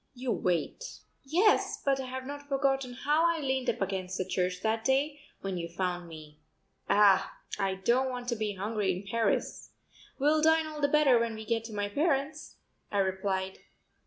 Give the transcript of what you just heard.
You wait." "Yes, but I have not forgotten how I leaned up against the church that day when you found me. Ah, I don't want to be hungry in Paris." "We'll dine all the better when we get to my parents'," I replied.